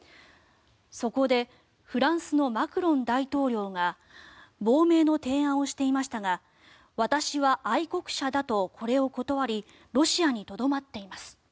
そこでフランスのマクロン大統領が亡命の提案をしていましたが私は愛国者だとこれを断りロシアにとどまっています。